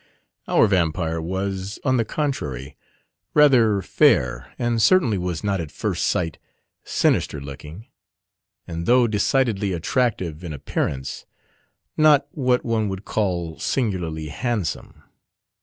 Our Vampire was, on the contrary, rather fair, and certainly was not at first sight sinister looking, and though decidedly attractive in appearance, not what one would call singularly handsome.